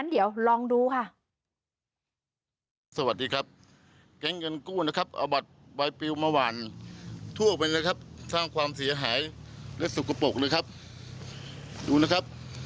เอ้าเอ้างั้นเดี๋ยวลองดูค่ะ